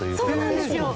そうなんですよ。